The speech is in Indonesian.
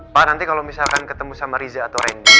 pak nanti kalau misalkan ketemu sama riza atau randy